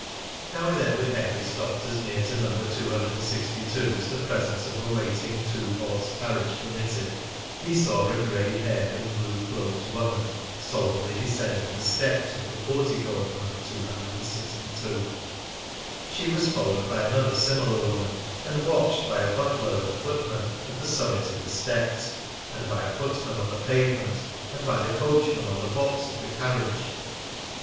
Now, as Edward Henry stopped as near to No. 262 as the presence of a waiting two horse carriage permitted, he saw a gray haired and blue cloaked woman solemnly descending the steps of the portico of No. 262. She was followed by another similar woman, and watched by a butler and a footman at the summit of the steps, and by a footman on the pavement, and by the coachman on the box of the carriage.